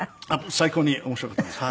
最高に面白かったです。